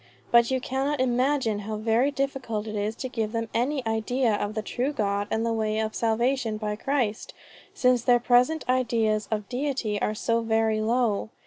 "But you cannot imagine how very difficult it is to give them any idea of the true God and the way of salvation by Christ, since their present ideas of Deity are so very low."